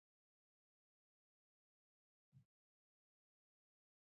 ځینې هېوادونه د کارګرو لپاره حد اقل مزد ټاکي.